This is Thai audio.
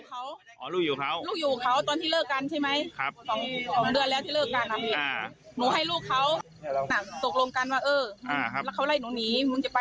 เอ้ยครึ่งเดือนที่มาหาเรื่องหนูไลน์มาอะไรมา